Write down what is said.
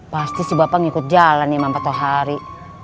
pasti si bapak ngikut jalan ya sama patuhari